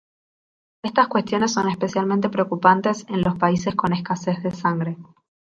Estas cuestiones son especialmente preocupantes en los países con escasez de sangre.